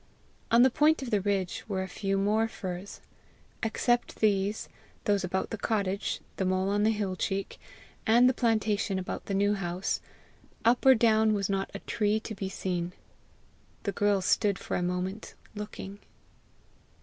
On the point of the ridge were a few more firs: except these, those about the cottage, the mole on the hill cheek, and the plantation about the New House, up or down was not a tree to be seen. The girls stood for a moment looking.